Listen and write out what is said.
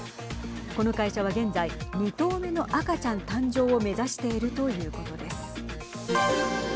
この会社は現在２頭目の赤ちゃん誕生を目指しているということです。